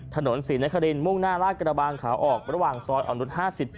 ถนนศรีนครินมุ่งหน้าลาดกระบางขาออกระหว่างซอยอ่อนนุษย์๕๘